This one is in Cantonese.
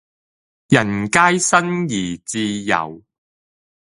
人皆生而自由